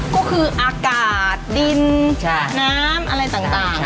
ก็คืออากาศดินน้ำอะไรต่าง